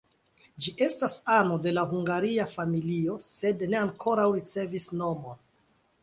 Ĝi estas ano de la hungaria familio, sed ne ankoraŭ ricevis nomon.